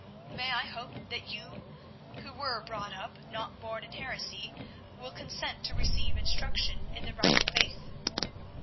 May I hope that you, who were brought up but not born in heresy, will consent to receive instruction in the right faith?"